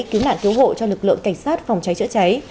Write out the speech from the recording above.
cứu nạn cứu hộ cho lực lượng cảnh sát phòng cháy chữa cháy